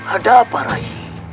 ada apa rai